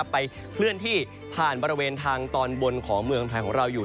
เคลื่อนที่ผ่านบริเวณทางตอนบนของเมืองไทยของเราอยู่